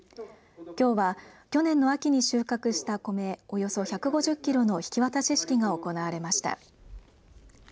きょうは、去年の秋に収穫した米およそ１５０キロの引き渡し式が行われました。